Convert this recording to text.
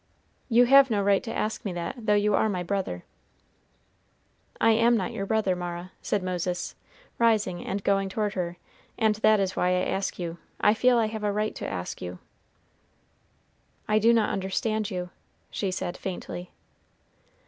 "You have no right to ask me that, though you are my brother." "I am not your brother, Mara," said Moses, rising and going toward her, "and that is why I ask you. I feel I have a right to ask you." "I do not understand you," she said, faintly.